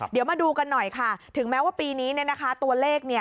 เดี๋ยวมาดูกันหน่อยค่ะถึงแม้ว่าปีนี้ตัวเลข